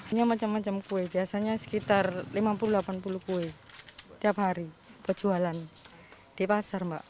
ini macam macam kue biasanya sekitar lima puluh delapan puluh kue tiap hari berjualan di pasar mbak